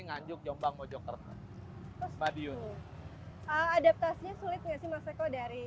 nganjuk jombang mojokerta mbak diun adaptasinya sulit nggak sih mas eko dari